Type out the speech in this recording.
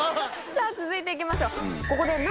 さぁ続いていきましょう